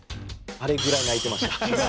あれぐらい泣いてました。